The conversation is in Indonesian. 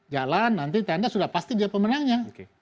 jalan nanti tenda sudah pasti dia pemenangnya